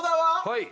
はい！